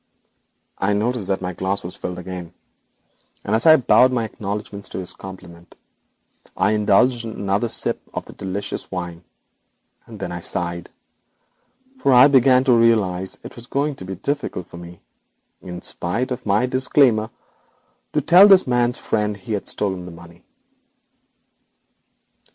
I noticed that my glass was again filled, and bowing an acknowledgment of his compliment, I indulged in another sip of the delicious wine. I sighed, for I began to realise it was going to be very difficult for me, in spite of my disclaimer, to tell this man's friend he had stolen the money.